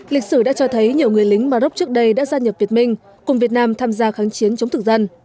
lịch sử đã cho thấy nhiều người lính mà rốc trước đây đã gia nhập việt minh cùng việt nam tham gia kháng chiến chống thực dân